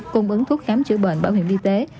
cung ứng thuốc khám chữa bệnh bảo hiểm y tế